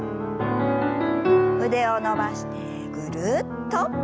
腕を伸ばしてぐるっと。